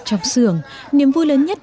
trong sưởng niềm vui lớn nhất